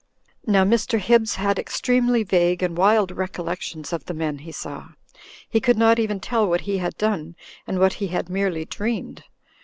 Now, Mr. Hibbs had extremely vague and wild recollections of the men he saw; he could not even tell what he had done and what he had merely dreamed.